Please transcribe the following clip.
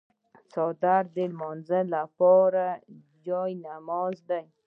څادر د لمانځه لپاره جای نماز دی.